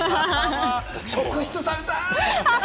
職質されたい！